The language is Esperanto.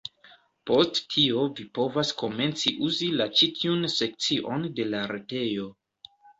Post tio vi povas komenci uzi la ĉi tiun sekcion de la retejo.